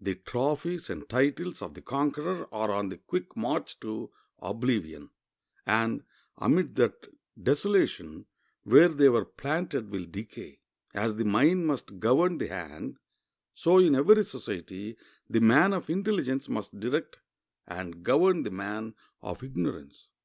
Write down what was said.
The trophies and titles of the conqueror are on the quick march to oblivion, and amid that desolation where they were planted will decay. As the mind must govern the hand, so in every society the man of intelligence must direct and govern the man of ignorance.